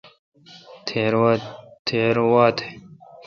تھیر وا تھ۔